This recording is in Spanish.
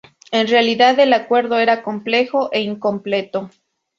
En realidad, el acuerdo era complejo e incompleto.